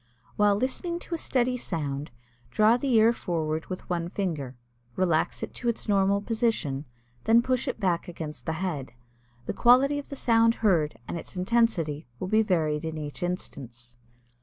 While listening to a steady sound, draw the ear forward with one finger, relax it to its normal position, then push it back against the head. The quality of the sound heard and its intensity will be varied in each instance.